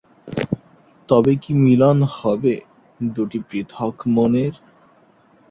এ উপন্যাসে নারীর অপরিণত ব্যক্তিত্বের কারণ অনুসন্ধান করেছেন রবীন্দ্রনাথ।